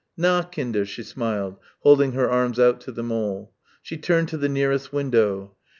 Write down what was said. "Na, Kinder," she smiled, holding her arms out to them all. She turned to the nearest window.